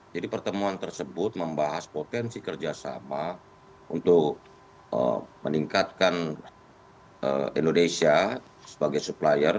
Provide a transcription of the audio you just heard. jadi pertemuan tersebut membahas potensi kerjasama untuk meningkatkan indonesia sebagai supplier